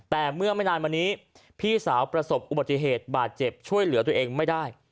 แต่เมื่อไม่นานมานี้พี่สาวประสบอุบัติเหตุบาดเจ็บช่วยเหลือตัวเองไม่ได้